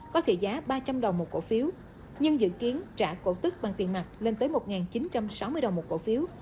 có trị giá ba trăm linh đồng một cổ phiếu nhưng dự kiến trả cổ tức bằng tiền mặt lên tới một chín trăm sáu mươi đồng một cổ phiếu